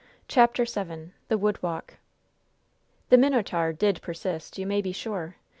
CHAPTER VII THE WOOD WALK The "Minotaur" did persist, you may be sure!